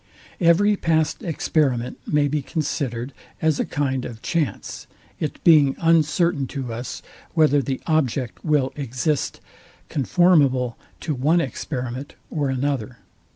Every past experiment may be considered as a kind of chance; I it being uncertain to us, whether the object will exist conformable to one experiment or another.